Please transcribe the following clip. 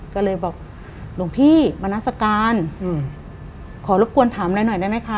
ก็เลยบอกหลวงพี่มนาศการขอรบกวนถามอะไรหน่อยได้ไหมคะ